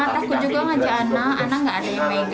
takut juga ngajak anak